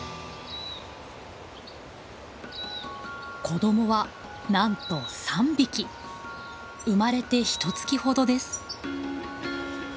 子どもはなんと３匹生まれてひとつきほどです。